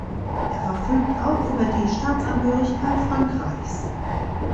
Er verfügt auch über die Staatsangehörigkeit Frankreichs.